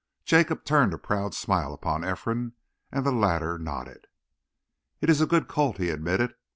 Jacob turned a proud smile upon Ephraim, and the latter nodded. "It is a good colt," he admitted.